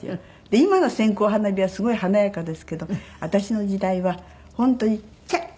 で今の線香花火はすごい華やかですけど私の時代は本当にピュッ！